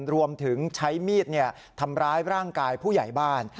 รวมถึงใช้มีดทำร้ายร่างกายผู้ใหญ่บ้าน